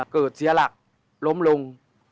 เสียหลักล้มลง